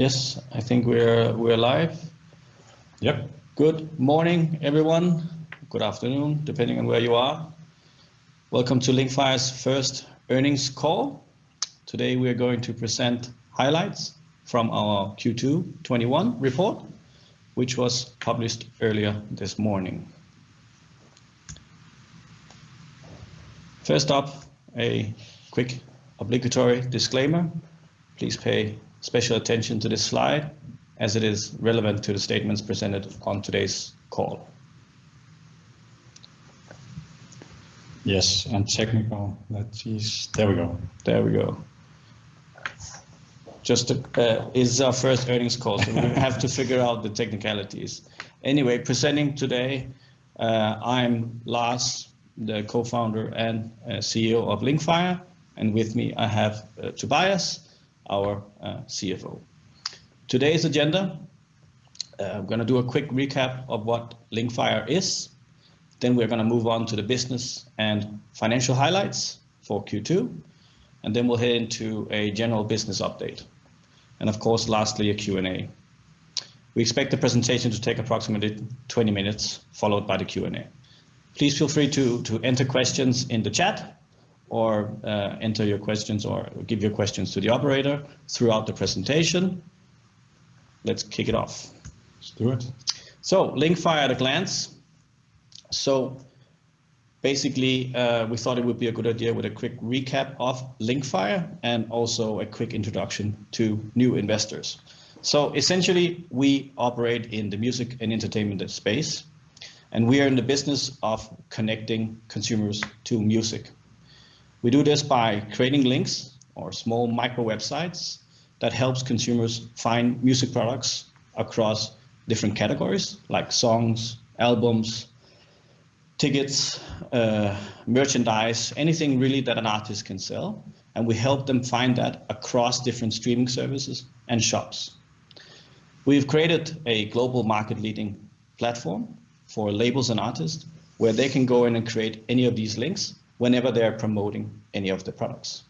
Yes, I think we're live. Yep. Good morning, everyone. Good afternoon, depending on where you are. Welcome to Linkfire's first earnings call. Today, we are going to present highlights from our Q2 2021 report, which was published earlier this morning. First up, a quick obligatory disclaimer. Please pay special attention to this slide, as it is relevant to the statements presented on today's call. Yes, technical. Let's see. There we go. There we go. It's our first earnings call. We have to figure out the technicalities. Anyway, presenting today, I'm Lars, the Co-founder and CEO of Linkfire, and with me I have Tobias, our CFO. Today's agenda, I'm going to do a quick recap of what Linkfire is. We're going to move on to the business and financial highlights for Q2. We'll head into a general business update. Of course, lastly, a Q&A. We expect the presentation to take approximately 20 minutes, followed by the Q&A. Please feel free to enter questions in the chat, enter your questions, give your questions to the operator throughout the presentation. Let's kick it off. Let's do it. Linkfire at a glance. Basically, we thought it would be a good idea with a quick recap of Linkfire and also a quick introduction to new investors. Essentially, we operate in the music and entertainment space, and we are in the business of connecting consumers to music. We do this by creating links or small micro websites that helps consumers find music products across different categories like songs, albums, tickets, merchandise, anything really that an artist can sell, and we help them find that across different streaming services and shops. We've created a global market-leading platform for labels and artists, where they can go in and create any of these links whenever they are promoting any of the products.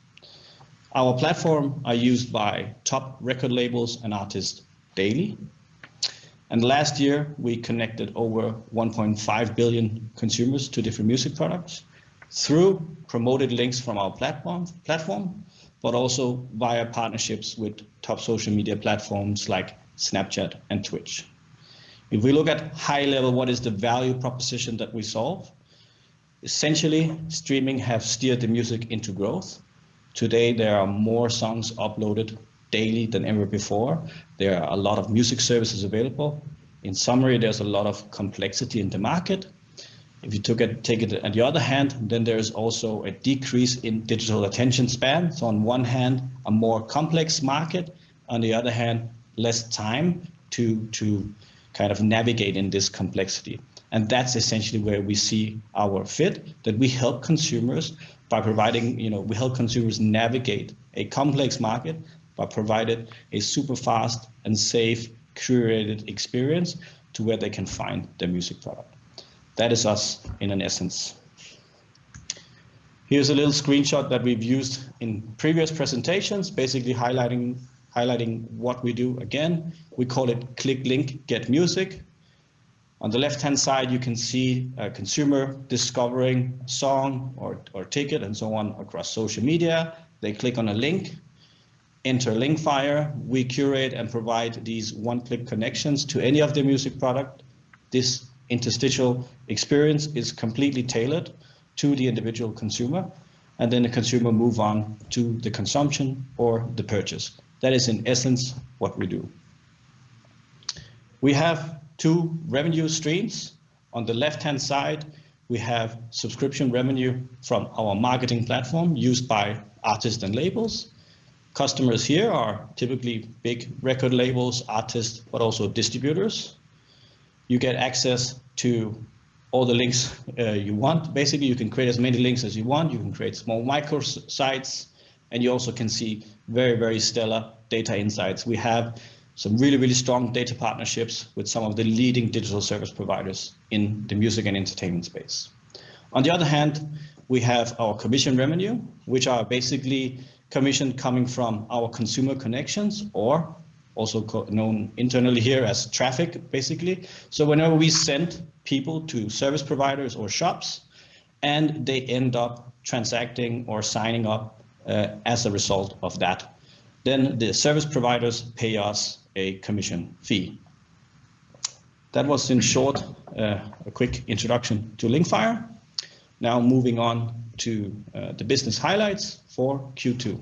Our platform are used by top record labels and artists daily. Last year, we connected over 1.5 billion consumers to different music products through promoted links from our platform, but also via partnerships with top social media platforms like Snapchat and Twitch. If we look at high level, what is the value proposition that we solve? Essentially, streaming have steered the music into growth. Today, there are more songs uploaded daily than ever before. There are a lot of music services available. In summary, there's a lot of complexity in the market. If you take it on the other hand, then there is also a decrease in digital attention spans. On one hand, a more complex market, on the other hand, less time to navigate in this complexity. That's essentially where we see our fit, that we help consumers navigate a complex market by providing a super-fast and safe curated experience to where they can find their music product. That is us in an essence. Here's a little screenshot that we've used in previous presentations, basically highlighting what we do. We call it Click Link, Get Music. On the left-hand side, you can see a consumer discovering song or ticket and so on across social media. They click on a link, enter Linkfire. We curate and provide these one-click connections to any of the music product. This interstitial experience is completely tailored to the individual consumer, then the consumer move on to the consumption or the purchase. That is in essence what we do. We have two revenue streams. On the left-hand side, we have subscription revenue from our marketing platform used by artists and labels. Customers here are typically big record labels, artists, but also distributors. You get access to all the links you want. You can create as many links as you want. You can create small micro sites, you also can see very stellar data insights. We have some really strong data partnerships with some of the leading digital service providers in the music and entertainment space. We have our commission revenue, which are basically commission coming from our consumer connections, or also known internally here as traffic. Whenever we send people to service providers or shops and they end up transacting or signing up, as a result of that, the service providers pay us a commission fee. That was, in short, a quick introduction to Linkfire. Moving on to the business highlights for Q2.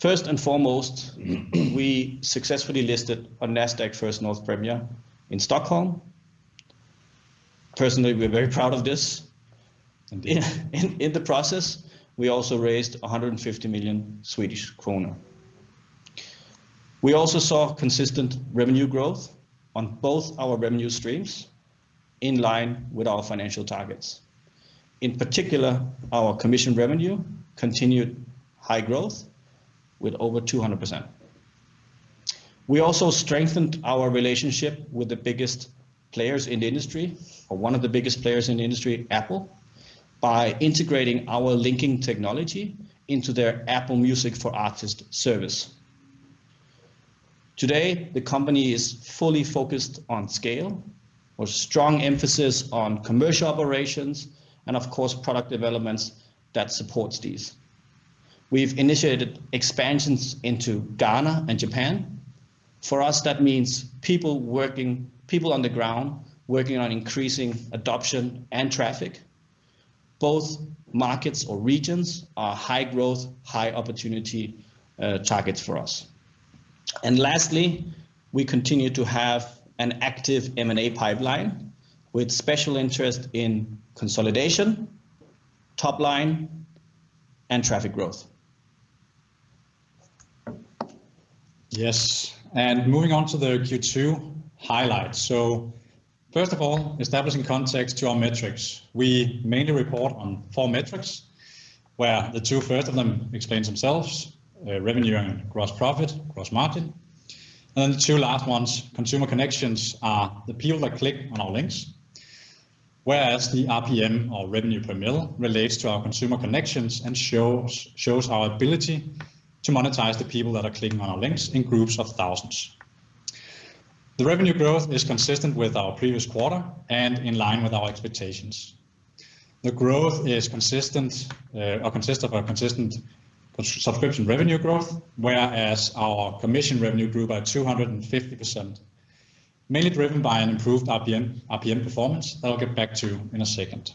First and foremost, we successfully listed on Nasdaq First North Premier in Stockholm. Personally, we're very proud of this. Indeed. In the process, we also raised 150 million Swedish kronor. We also saw consistent revenue growth on both our revenue streams, in line with our financial targets. In particular, our commission revenue continued high growth with over 200%. We also strengthened our relationship with the biggest players in the industry, or one of the biggest players in the industry, Apple, by integrating our linking technology into their Apple Music for Artists service. Today, the company is fully focused on scale, with strong emphasis on commercial operations, and of course, product developments that supports these. We've initiated expansions into Ghana and Japan. For us, that means people on the ground working on increasing adoption and traffic. Both markets or regions are high growth, high opportunity targets for us. Lastly, we continue to have an active M&A pipeline with special interest in consolidation, top line, and traffic growth. Moving on to the Q2 highlights. First of all, establishing context to our metrics. We mainly report on four metrics, where the two first of them explains themselves, revenue and gross profit, gross margin. The two last ones, consumer connections, are the people that click on our links. Whereas the RPM or revenue per mile relates to our consumer connections and shows our ability to monetize the people that are clicking on our links in groups of thousands. The revenue growth is consistent with our previous quarter and in line with our expectations. The growth consists of a consistent subscription revenue growth, whereas our commission revenue grew by 250%, mainly driven by an improved RPM performance that I'll get back to in a second.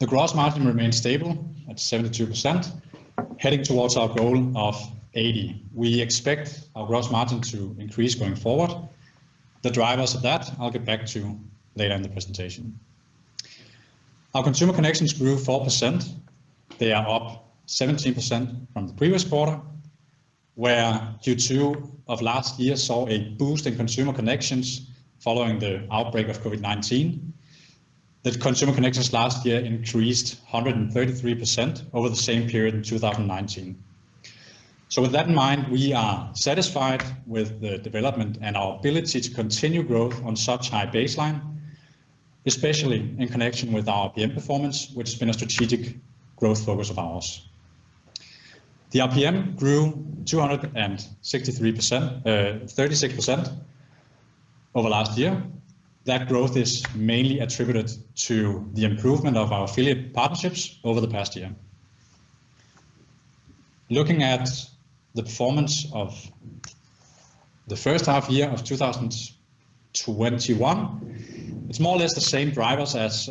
The gross margin remained stable at 72%, heading towards our goal of 80%. We expect our gross margin to increase going forward. The drivers of that, I'll get back to later in the presentation. Our consumer connections grew 4%. They are up 17% from the previous quarter, where Q2 of last year saw a boost in consumer connections following the outbreak of COVID-19, that consumer connections last year increased 133% over the same period in 2019. With that in mind, we are satisfied with the development and our ability to continue growth on such high baseline, especially in connection with RPM performance, which has been a strategic growth focus of ours. The RPM grew 236% over last year. That growth is mainly attributed to the improvement of our affiliate partnerships over the past year. Looking at the performance of the first half year of 2021, it's more or less the same drivers as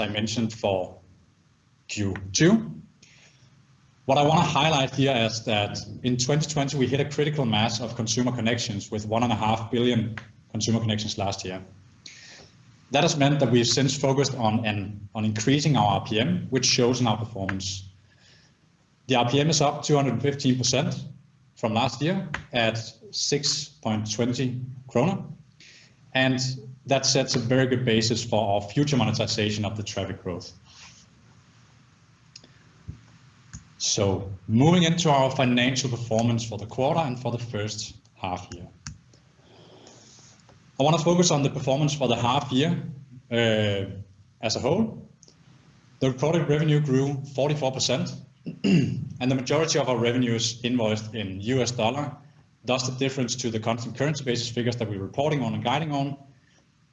I mentioned for Q2. What I want to highlight here is that in 2020, we hit a critical mass of consumer connections with 1.5 billion consumer connections last year. That has meant that we have since focused on increasing our RPM, which shows in our performance. The RPM is up 250% from last year at 6.20 kroner, that sets a very good basis for our future monetization of the traffic growth. Moving into our financial performance for the quarter and for the first half-year. I want to focus on the performance for the half-year as a whole. The product revenue grew 44%, the majority of our revenue is invoiced in U.S. dollar. Thus, the difference to the constant currency basis figures that we're reporting on and guiding on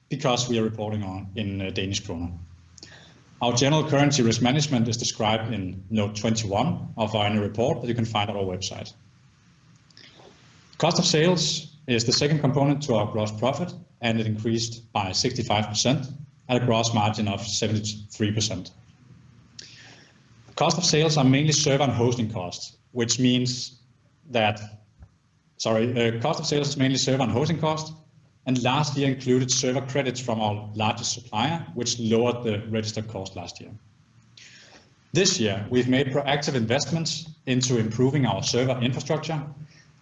because we are reporting in DKK. Our general currency risk management is described in Note 21 of our annual report that you can find on our website. Cost of sales is the second component to our gross profit, and it increased by 65% at a gross margin of 73%. Cost of sales is mainly server and hosting costs, and last year included server credits from our largest supplier, which lowered the registered cost last year. This year, we've made proactive investments into improving our server infrastructure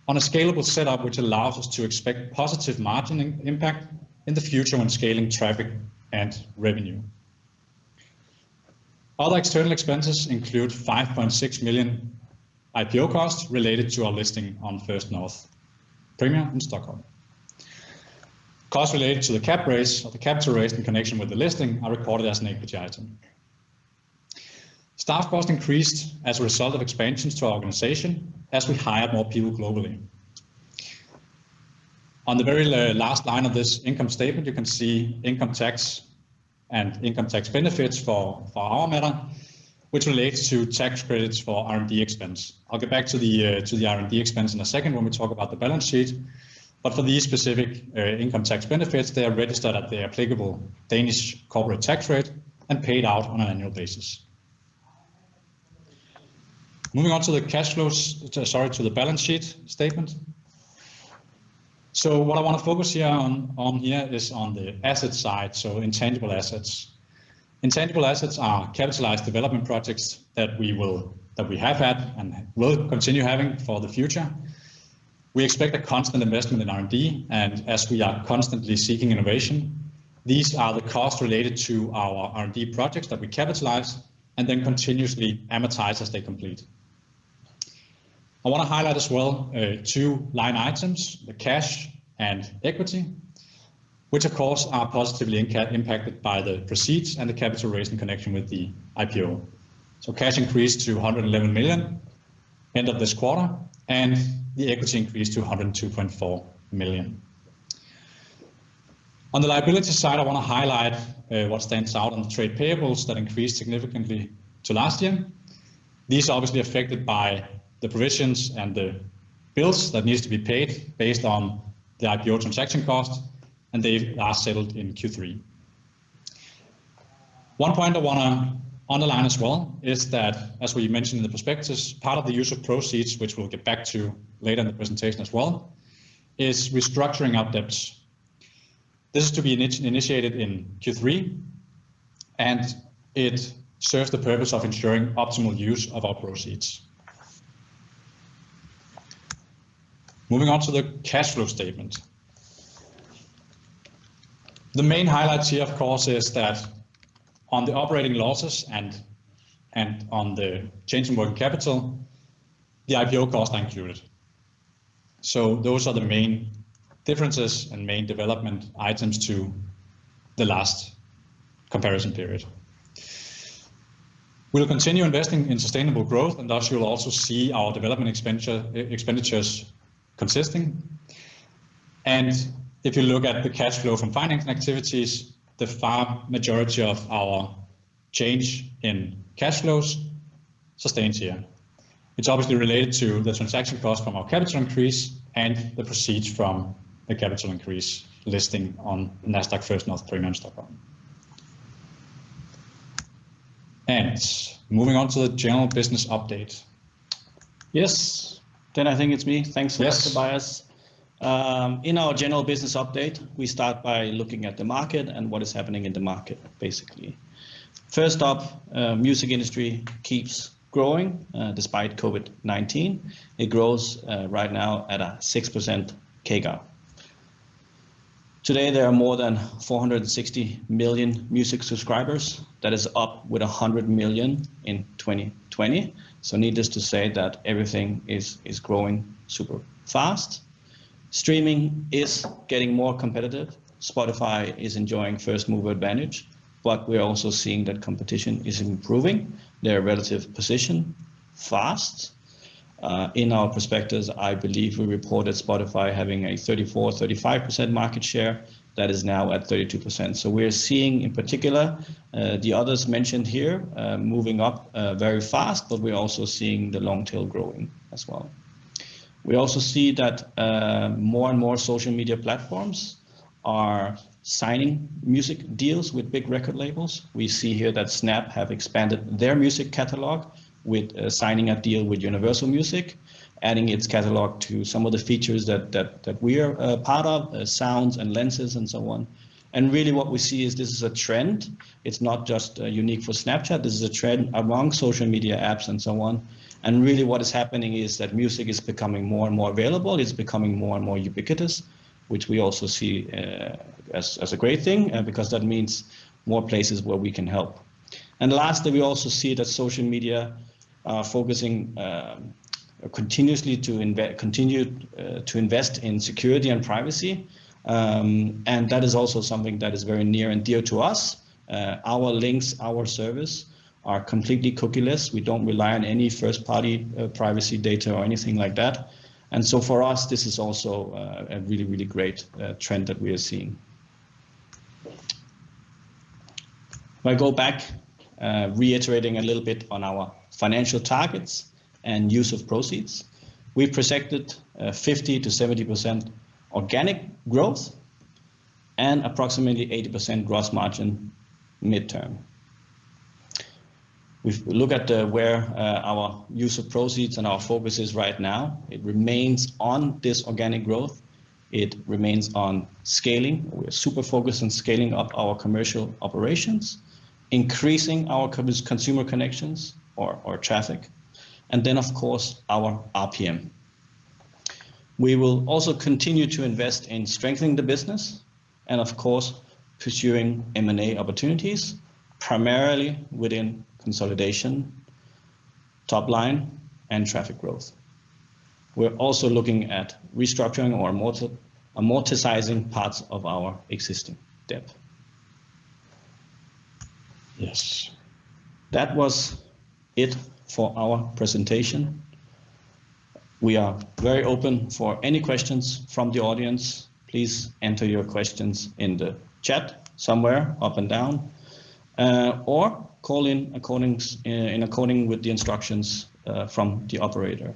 on a scalable setup, which allows us to expect positive margin impact in the future when scaling traffic and revenue. Other external expenses include 5.6 million IPO costs related to our listing on First North Premier in Stockholm. Costs related to the capital raised in connection with the listing are recorded as an APG item. Staff costs increased as a result of expansions to our organization as we hired more people globally. On the very last line of this income statement, you can see income tax and income tax benefits for our matter, which relates to tax credits for R&D expense. I'll get back to the R&D expense in a second when we talk about the balance sheet. For these specific income tax benefits, they are registered at the applicable Danish corporate tax rate and paid out on an annual basis. Moving on to the balance sheet statement. What I want to focus here on here is on the asset side, intangible assets. Intangible assets are capitalized development projects that we have had and will continue having for the future. We expect a constant investment in R&D, and as we are constantly seeking innovation. These are the costs related to our R&D projects that we capitalize and then continuously amortize as they complete. I want to highlight as well two line items, the cash and equity, which, of course, are positively impacted by the proceeds and the capital raise in connection with the IPO. Cash increased to 111 million end of this quarter, and the equity increased to 102.4 million. On the liability side, I want to highlight what stands out on the trade payables that increased significantly to last year. These are obviously affected by the provisions and the bills that needs to be paid based on the IPO transaction cost, and they are settled in Q3. One point I want to underline as well is that, as we mentioned in the prospectus, part of the use of proceeds, which we'll get back to later in the presentation as well, is restructuring our debts. This is to be initiated in Q3, and it serves the purpose of ensuring optimal use of our proceeds. Moving on to the cash flow statement. The main highlights here, of course, is that on the operating losses and on the change in working capital, the IPO cost and unit. Those are the main differences and main development items to the last comparison period. We'll continue investing in sustainable growth, thus you'll also see our development expenditures consisting. If you look at the cash flow from financing activities, the far majority of our change in cash flows sustains here. It's obviously related to the transaction cost from our capital increase and the proceeds from the capital increase listing on Nasdaq First North Premier Growth Market. Moving on to the general business update. Yes. I think it's me. Thanks a lot, Tobias. Yes. In our general business update, we start by looking at the market and what is happening in the market, basically. First up, music industry keeps growing. Despite COVID-19, it grows right now at a 6% CAGR. Today, there are more than 460 million music subscribers. That is up with 100 million in 2020. Needless to say that everything is growing super fast. Streaming is getting more competitive. Spotify is enjoying first-mover advantage, but we're also seeing that competition is improving their relative position fast. In our prospectus, I believe we reported Spotify having a 34%-35% market share. That is now at 32%. We are seeing, in particular, the others mentioned here, moving up very fast, but we are also seeing the long tail growing as well. We also see that more and more social media platforms are signing music deals with big record labels. We see here that Snap have expanded their music catalog with signing a deal with Universal Music, adding its catalog to some of the features that we are a part of, sounds and lenses and so on. Really what we see is this is a trend. It's not just unique for Snapchat. This is a trend among social media apps and so on. Really what is happening is that music is becoming more and more available. It's becoming more and more ubiquitous, which we also see as a great thing because that means more places where we can help. Lastly, we also see that social media are focusing continuously to invest in security and privacy, and that is also something that is very near and dear to us. Our links, our service are completely cookieless. We don't rely on any first-party privacy data or anything like that. For us, this is also a really great trend that we are seeing. If I go back, reiterating a little bit on our financial targets and use of proceeds, we've projected 50%-70% organic growth and approximately 80% gross margin midterm. If we look at where our use of proceeds and our focus is right now, it remains on this organic growth. It remains on scaling. We're super focused on scaling up our commercial operations, increasing our consumer connections or traffic, and then, of course, our RPM. We will also continue to invest in strengthening the business and, of course, pursuing M&A opportunities, primarily within consolidation, top line, and traffic growth. We're also looking at restructuring or amortizing parts of our existing debt. Yes. That was it for our presentation. We are very open for any questions from the audience. Please enter your questions in the chat somewhere up and down, or call in according with the instructions from the operator.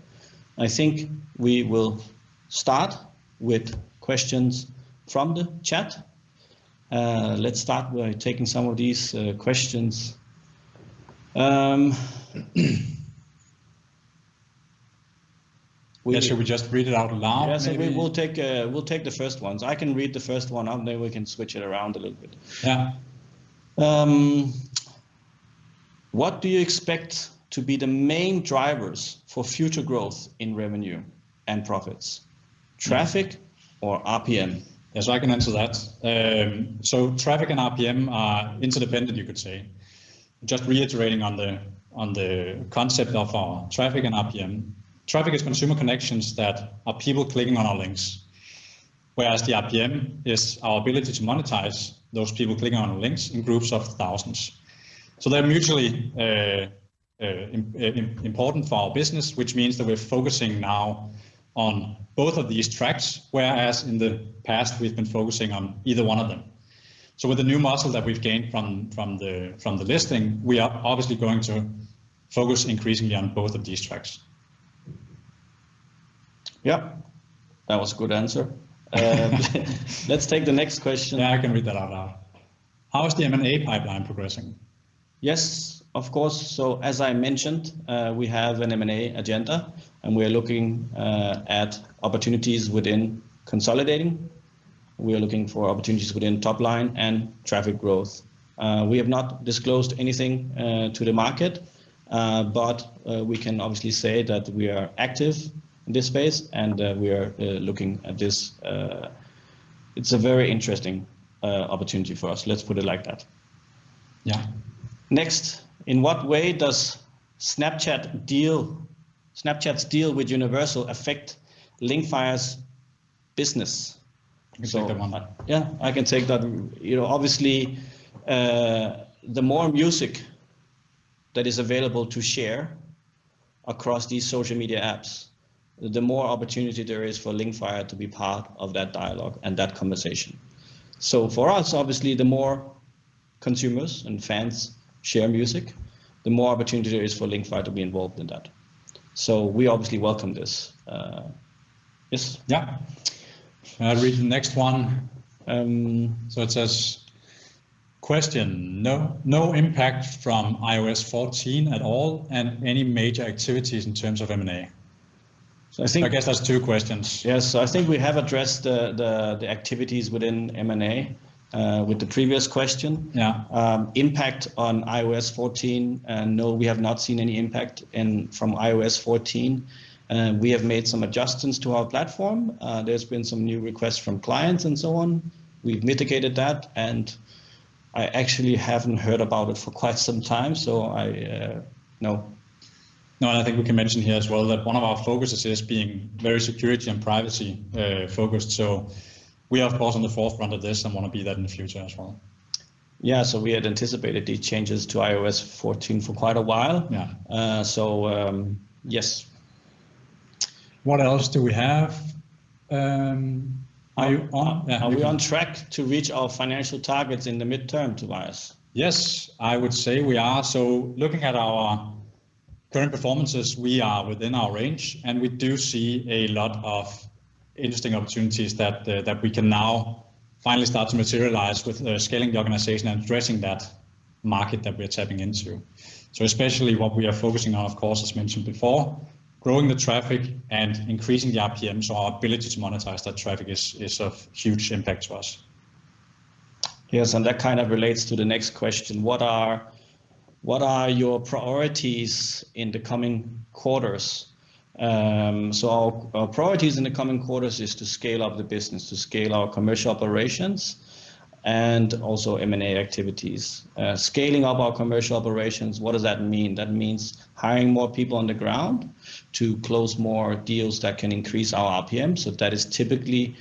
I think we will start with questions from the chat. Let's start by taking some of these questions. Yeah. Should we just read it out loud maybe? Yeah. We'll take the first ones. I can read the first one out, and then we can switch it around a little bit. Yeah. What do you expect to be the main drivers for future growth in revenue and profits, traffic or RPM? Yes, I can answer that. Traffic and RPM are interdependent, you could say. Just reiterating on the concept of our traffic and RPM. Traffic is consumer connections that are people clicking on our links, whereas the RPM is our ability to monetize those people clicking on links in groups of thousands. They're mutually important for our business, which means that we're focusing now on both of these tracks, whereas in the past, we've been focusing on either one of them. With the new muscle that we've gained from the listing, we are obviously going to focus increasingly on both of these tracks. Yep. That was a good answer. Let's take the next question. Yeah, I can read that out loud. How is the M&A pipeline progressing? Yes, of course. As I mentioned, we have an M&A agenda, and we're looking at opportunities within consolidating. We are looking for opportunities within top line and traffic growth. We have not disclosed anything to the market, but we can obviously say that we are active in this space, and we are looking at this. It's a very interesting opportunity for us. Let's put it like that. Yeah. In what way does Snapchat's deal with Universal affect Linkfire's business? You can take that one. Yeah, I can take that. Obviously, the more music that is available to share across these social media apps, the more opportunity there is for Linkfire to be part of that dialogue and that conversation. For us, obviously, the more consumers and fans share music, the more opportunity there is for Linkfire to be involved in that. We obviously welcome this. Yes. Yeah. I'll read the next one. It says, question, no impact from iOS 14 at all and any major activities in terms of M&A? I think- I guess that's two questions. Yes. I think we have addressed the activities within M&A, with the previous question. Yeah. Impact on iOS 14, no, we have not seen any impact from iOS 14. We have made some adjustments to our platform. There's been some new requests from clients and so on. We've mitigated that, and I actually haven't heard about it for quite some time, so no. No, I think we can mention here as well that one of our focuses is being very security and privacy focused. We are, of course, on the forefront of this and want to be that in the future as well. Yeah, we had anticipated these changes to iOS 14 for quite a while. Yeah. Yes. What else do we have? Are we on track to reach our financial targets in the midterm, Tobias? Yes, I would say we are. Looking at our current performances, we are within our range, and we do see a lot of interesting opportunities that we can now finally start to materialize with scaling the organization and addressing that market that we are tapping into. Especially what we are focusing on, of course, as mentioned before, growing the traffic and increasing the RPM. Our ability to monetize that traffic is of huge impact to us. That kind of relates to the next question. What are your priorities in the coming quarters? Our priorities in the coming quarters is to scale up the business, to scale our commercial operations and also M&A activities. Scaling up our commercial operations, what does that mean? That means hiring more people on the ground to close more deals that can increase our RPM. That is typically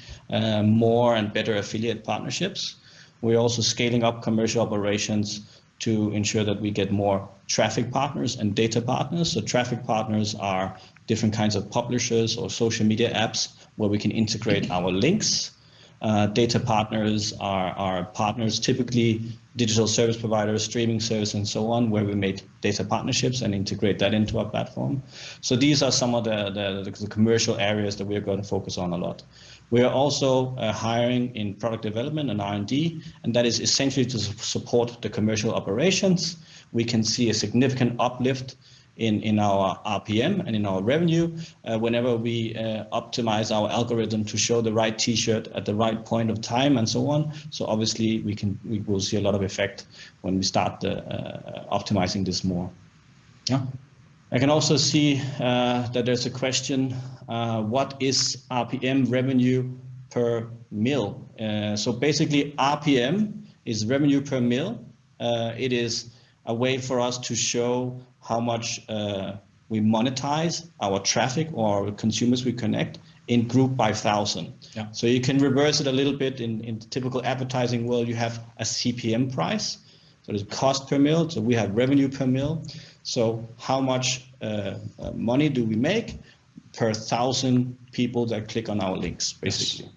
more and better affiliate partnerships. We're also scaling up commercial operations to ensure that we get more traffic partners and data partners. Traffic partners are different kinds of publishers or social media apps where we can integrate our links. Data partners are our partners, typically digital service providers, streaming service and so on, where we make data partnerships and integrate that into our platform. These are some of the commercial areas that we are going to focus on a lot. We are also hiring in product development and R&D, and that is essentially to support the commercial operations. We can see a significant uplift in our RPM and in our revenue whenever we optimize our algorithm to show the right T-shirt at the right point of time and so on. Obviously, we will see a lot of effect when we start optimizing this more. Yeah. I can also see that there's a question, what is RPM revenue per mile? Basically RPM is revenue per mile. It is a way for us to show how much we monetize our traffic or consumers we connect in group by thousand. Yeah. You can reverse it a little bit. In typical advertising world, you have a CPM price. It is cost per mile. We have revenue per mile. How much money do we make per thousand people that click on our links, basically.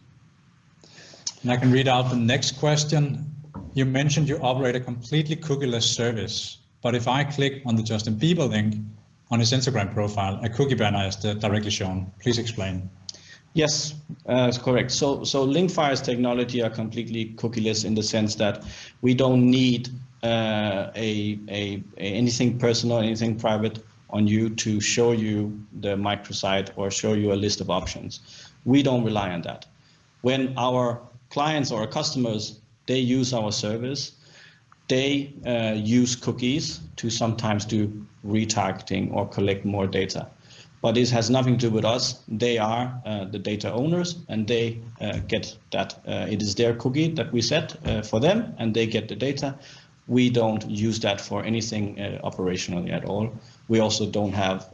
Yes. I can read out the next question. You mentioned you operate a completely cookieless service, but if I click on the Justin Bieber link on his Instagram profile, a cookie banner is directly shown. Please explain. Yes. That's correct. Linkfire's technology are completely cookieless in the sense that we don't need anything personal, anything private on you to show you the microsite or show you a list of options. We don't rely on that. When our clients or our customers, they use our service. They use cookies to sometimes do retargeting or collect more data. This has nothing to do with us. They are the data owners, and it is their cookie that we set for them, and they get the data. We don't use that for anything operationally at all. We also don't have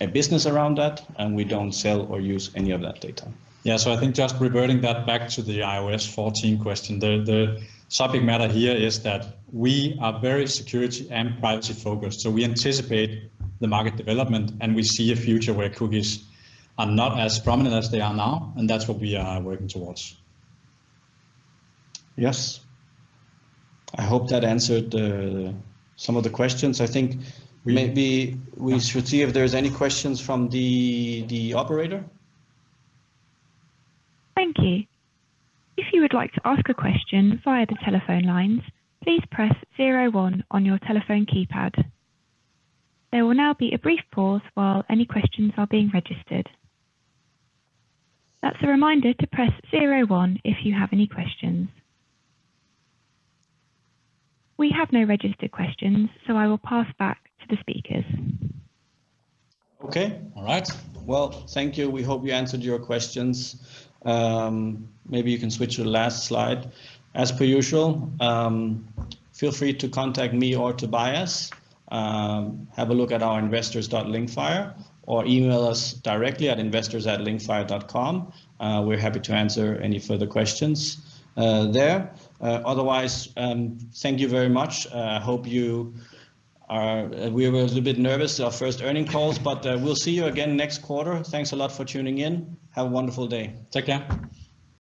a business around that, and we don't sell or use any of that data. I think just reverting that back to the iOS 14 question, the subject matter here is that we are very security and privacy focused. We anticipate the market development. We see a future where cookies are not as prominent as they are now. That's what we are working towards. Yes. I hope that answered some of the questions. I think maybe we should see if there's any questions from the operator. Thank you. If you would like to ask a question via the telephone lines, please press zero one on your telephone keypad. There will now be a brief pause while any questions are being registered. That's a reminder to press zero one if you have any questions. We have no registered questions, so I will pass back to the speakers. Okay. All right. Thank you. We hope we answered your questions. Maybe you can switch to the last slide. As per usual, feel free to contact me or Tobias. Have a look at our investors.linkfire or email us directly at investors@linkfire.com. We're happy to answer any further questions there. Thank you very much. We were a little bit nervous. Our first earnings calls, we'll see you again next quarter. Thanks a lot for tuning in. Have a wonderful day. Take care.